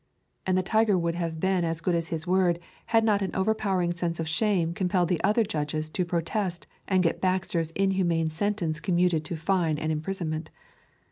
And the tiger would have been as good as his word had not an overpowering sense of shame compelled the other judges to protest and get Baxter's inhuman sentence commuted to fine and imprisonment.